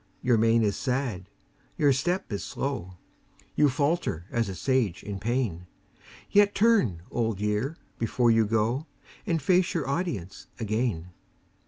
Your mien is sad, your step is slow; You falter as a Sage in pain; Yet turn, Old Year, before you go, And face your audience again.